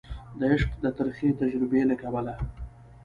د عشق د ترخې تجربي له کبله